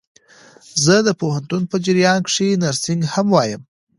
زه د پوهنتون په جریان کښي نرسينګ هم وايم.